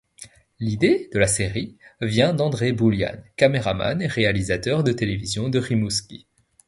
L'idée de la série vient d'André Boulianne, caméraman et réalisateur de télévision de Rimouski.